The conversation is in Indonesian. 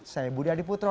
saya budi adiputro